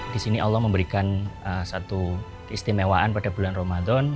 di sini allah memberikan satu keistimewaan pada bulan ramadan